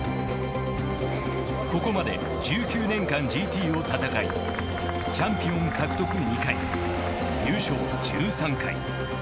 ここまで１９年間ＧＴを戦いチャンピオン獲得２回優勝１３回。